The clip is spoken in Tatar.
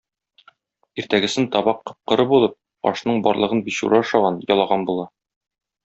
Иртәгесен табак коп-коры булып, ашның барлыгын бичура ашаган, ялаган була.